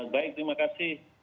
baik terima kasih